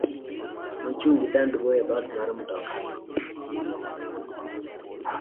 Nochung' gi tandboi e doot mar matoka no.